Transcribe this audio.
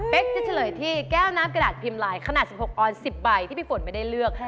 เป็นจะเฉลยที่แก้วน้ำกระดาษพิมพ์ลายขนาด๑๖ออน๑๐ใบที่พี่ฝนไม่ได้เลือก